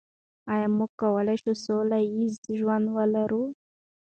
آیا موږ کولای شو سوله ییز ژوند ولرو؟